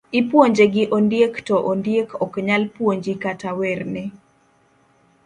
Ipuonje gi ondiek to ondiek ok nyal puonji kata werne.